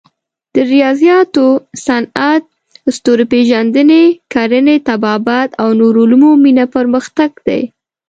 د ریاضیاتو، صنعت، ستوري پېژندنې، کرنې، طبابت او نورو علومو مینه پرمختګ دی.